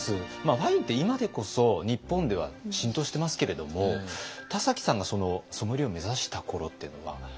ワインって今でこそ日本では浸透してますけれども田崎さんがソムリエを目指した頃っていうのは。